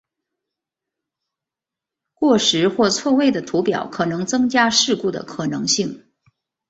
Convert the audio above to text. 过时或错位的图表可能增加事故的可能性。